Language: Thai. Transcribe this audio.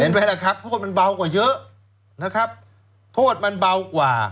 ไหมล่ะครับโทษมันเบากว่าเยอะนะครับโทษมันเบากว่า